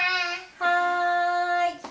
はい。